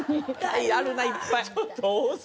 あるないっぱい。